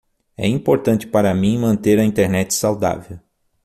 É importante para mim manter a Internet saudável.